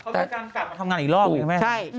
เขาเป็นการกลับมาทำงานอีกรอบอยู่ไหมฮะ